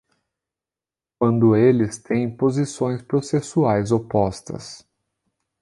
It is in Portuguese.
Quando eles têm posições processuais opostas.